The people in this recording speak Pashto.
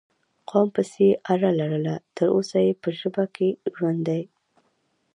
قوم پسې یې اړه لرله، تر اوسه یې په ژبه کې ژوندی